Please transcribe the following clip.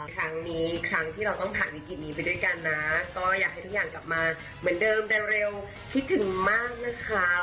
ครั้งนี้ครั้งที่เราต้องผ่านวิกฤตนี้ไปด้วยกันนะก็อยากให้ทุกอย่างกลับมาเหมือนเดิมเร็วคิดถึงมากนะครับ